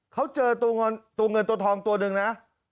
เขาเจอตัวเงินตัวทองตัวหนึ่งนะ